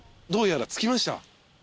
どうやら着きました。